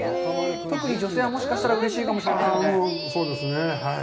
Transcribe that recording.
特に女性はもしかしたら、うれしいかもしれない。